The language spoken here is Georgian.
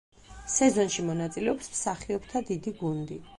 სეზონში მონაწილეობს მსახიობთა დიდი გუნდი.